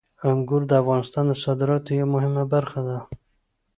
انګور د افغانستان د صادراتو یوه مهمه برخه ده.